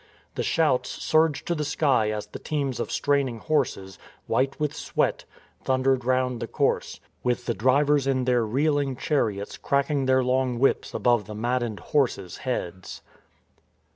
The shouts surged to the sky as the teams of straining horses, white with sweat, thundered round the course, with the drivers in their reeling chariots cracking their long whips above the maddened horses' heads.